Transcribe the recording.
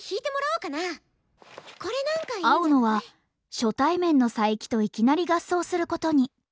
青野は初対面の佐伯といきなり合奏することに。